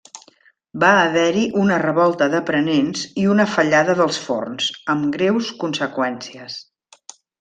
Va haver-hi una revolta d'aprenents i una fallada dels forns, amb greus conseqüències.